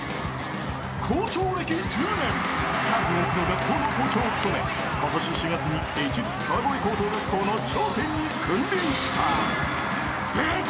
［校長歴１０年数多くの学校の校長を務め今年４月に市立川越高等学校の頂点に君臨したベテラン校長］